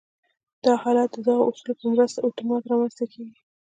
دا حالت د دغو اصولو په مرسته اتومات رامنځته کېږي